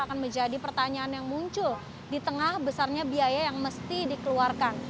akan menjadi pertanyaan yang muncul di tengah besarnya biaya yang mesti dikeluarkan